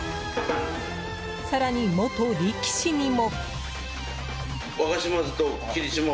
更に、元力士にも。